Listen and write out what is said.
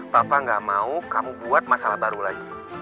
bapak gak mau kamu buat masalah baru lagi